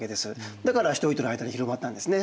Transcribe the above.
だから人々の間に広まったんですね。